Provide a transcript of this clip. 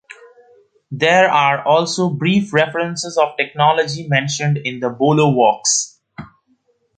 There are also brief references of technology mentioned in the Bolo works.